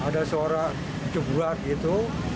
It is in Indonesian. ada suara jebuat gitu